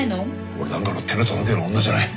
俺なんかの手の届くような女じゃない。